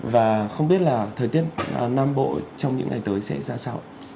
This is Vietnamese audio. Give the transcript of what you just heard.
và không biết là thời tiết nam bộ trong những ngày tới sẽ ra sao